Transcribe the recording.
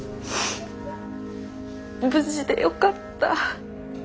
無事でよかった。